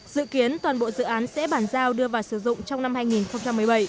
dự kiến toàn bộ dự án sẽ bàn giao đưa vào sử dụng trong năm hai nghìn một mươi bảy